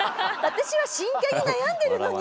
私は真剣に悩んでるのに！